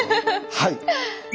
はい。